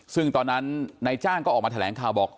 ซึ่งตอนนั้นนายจ้างก็ออกมาแถลงข่าวบอก